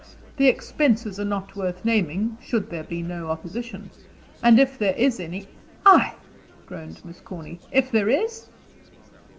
The expenses are not worth naming, should there be no opposition. And if there is any " "Ay!" groaned Miss Corny. "If there is?"